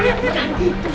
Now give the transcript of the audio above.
jangan jangan jangan